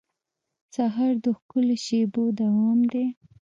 سهار د ښکلو شېبو دوام دی.